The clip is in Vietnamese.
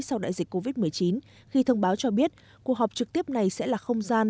sau đại dịch covid một mươi chín khi thông báo cho biết cuộc họp trực tiếp này sẽ là không gian